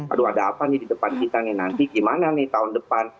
aduh ada apa nih di depan kita nih nanti gimana nih tahun depan